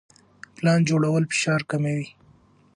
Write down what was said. پلان جوړول فشار کموي.